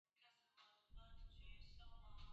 适用于大多企业。